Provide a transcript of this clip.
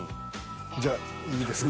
じゃいいですか。